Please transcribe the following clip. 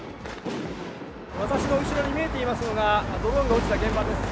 私の後ろに見えていますのが、ドローンが落ちた現場です。